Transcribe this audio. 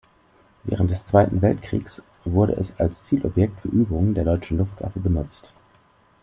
Während des Zweiten Weltkriegs wurde es als Zielobjekt für Übungen der deutschen Luftwaffe benutzt.